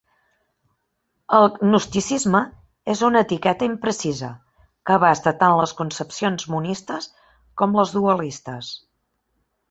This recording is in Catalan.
El gnosticisme és una etiqueta imprecisa, que abasta tant les concepcions monistes com les dualistes.